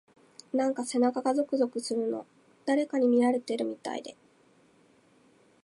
なんか背中がゾクゾクするの。誰かに見られてるみたいな…。